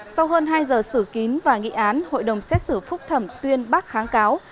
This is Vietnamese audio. sau hơn hai giờ xử kín và nghị án hội đồng xét xử phúc thẩm tuyên bác kháng cáo